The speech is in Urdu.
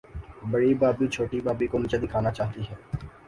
بڑی بھابھی، چھوٹی بھابھی کو نیچا دکھانا چاہتی ہے۔